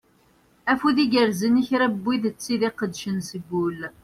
Afud igerzen i kra n wid d tid iqeddcen seg ul.